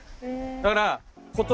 だから。